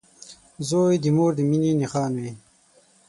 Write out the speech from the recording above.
• زوی د مور د مینې نښان وي.